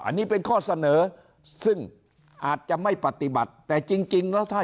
อันนี้เป็นข้อเสนอซึ่งอาจจะไม่ปฏิบัติแต่จริงแล้วถ้า